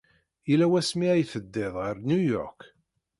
Yella wasmi ay teddiḍ ɣer New York?